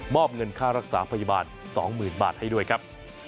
เงินค่ารักษาพยาบาล๒๐๐๐บาทให้ด้วยครับ